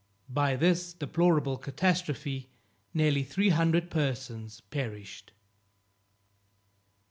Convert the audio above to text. By this deplorable catastrophe, nearly three hundred persons perished.